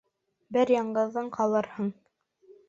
Бер яңғыҙың ҡалырһың...